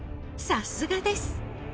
さすがです！